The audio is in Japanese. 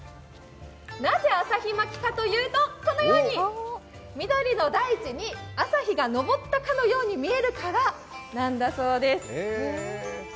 なぜ旭巻かというと、このように緑の大地に朝日が昇ったかのように見えるからだそうです。